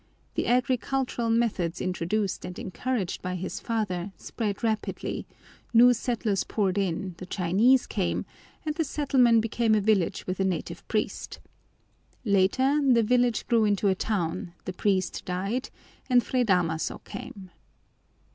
The agricultural methods introduced and encouraged by his father spread rapidly, new settlers poured in, the Chinese came, and the settlement became a village with a native priest. Later the village grew into a town, the priest died, and Fray Damaso came.